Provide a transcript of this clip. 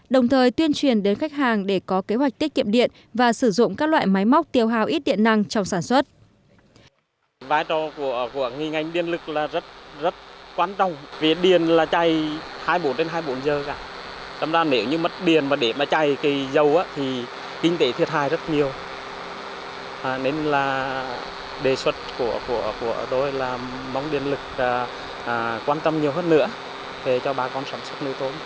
đồng thời tuyên truyền đến khách hàng để có kế hoạch tiết kiệm điện và sử dụng các loại máy móc tiêu hào ít điện năng trong sản xuất